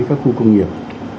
các khu công nghiệp